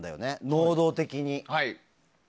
能動的に。